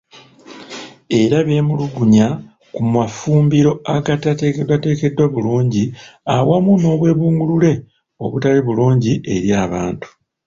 Era beemulugunya ku mafumbiro agatateekedwateekeddwa bulungi awamu n'obwebungulule obutali bulungi eri abantu.